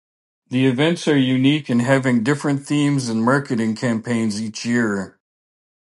The events are unique in having different themes and marketing campaigns each year.